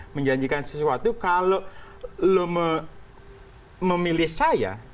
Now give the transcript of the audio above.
menjanjikan sesuatu kalau lo memilih saya